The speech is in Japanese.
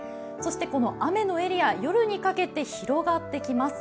この雨のエリア、夜にかけて広がってきます。